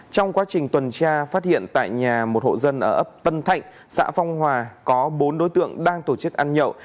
trong quá trình tuần tra phát hiện tại nhà một hộ dân ở ấp tân thạnh xã phong hòa có bốn đối tượng đang tổ chức ăn nhậu